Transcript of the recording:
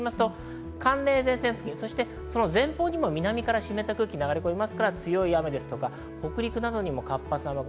寒冷前線付近、前方にも南から湿った空気が流れ込みますから強い雨や北陸などにも活発な雨雲。